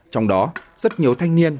trong đó rất nhiều thanh niên